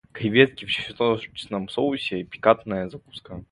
Креветки в чесночном соусе - пикантная закуска.